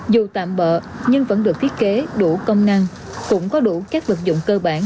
dù tạm bỡ nhưng vẫn được thiết kế đủ công năng cũng có đủ các vật dụng cơ bản